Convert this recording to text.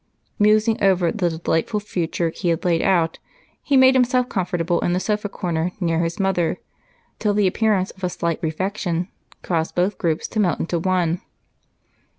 Musing over the delightful future he had laid out, he made himself comfortable in the sofa corner near his mother till the appearance of a slight refection caused both groups to melt into one.